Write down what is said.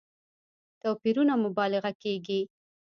توپيرونو مبالغه کېږي.